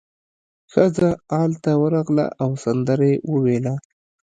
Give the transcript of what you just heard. ښځه ال ته ورغله او سندره یې وویله.